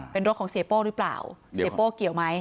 เป็นรถของเสียโป้หรือเปล่าเสียโป้เกี่ยวไหม